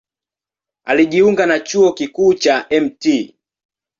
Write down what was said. Alijiunga na Chuo Kikuu cha Mt.